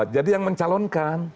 jadi yang mencalonkan